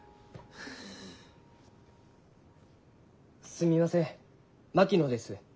・すみません槙野です。